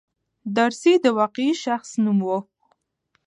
دارسي د واقعي شخص نوم و.